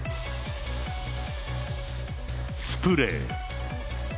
スプレー。